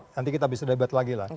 nanti kita bisa debat lagi lah